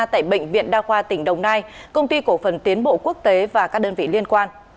tại bệnh viện đa khoa tỉnh đồng nai công ty cổ phần tiến bộ quốc tế và các đơn vị liên quan